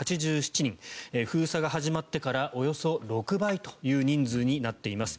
封鎖が始まってからおよそ６倍という人数になっています。